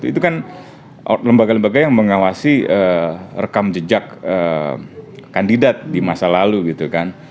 itu kan lembaga lembaga yang mengawasi rekam jejak kandidat di masa lalu gitu kan